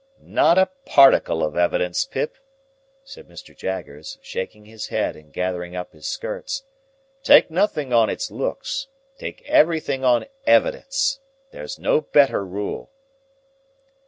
"Not a particle of evidence, Pip," said Mr. Jaggers, shaking his head and gathering up his skirts. "Take nothing on its looks; take everything on evidence. There's no better rule."